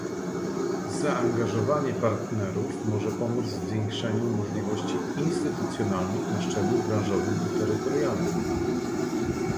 Zaangażowanie partnerów może pomóc w zwiększeniu możliwości instytucjonalnych na szczeblu branżowym i terytorialnym